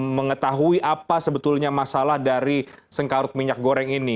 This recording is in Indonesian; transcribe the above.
mengetahui apa sebetulnya masalah dari sengkarut minyak goreng ini